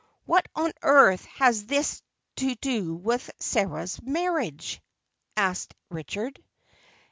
"What on earth has all this to do with Sarah's marriage?" asked Richard.